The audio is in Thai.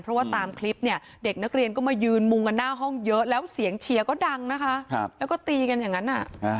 เพราะว่าตามคลิปเนี่ยเด็กนักเรียนก็มายืนมุงกันหน้าห้องเยอะแล้วเสียงเชียร์ก็ดังนะคะแล้วก็ตีกันอย่างนั้น